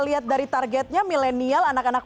lihat dari targetnya milenial anak anak